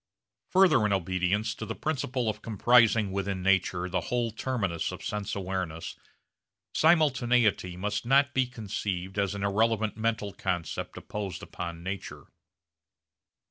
Further in obedience to the principle of comprising within nature the whole terminus of sense awareness, simultaneity must not be conceived as an irrelevant mental concept imposed upon nature.